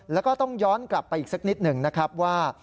แล้วก็ต้องย้อนกลับไปอีกสักนิดหนึ่งนะครับว่า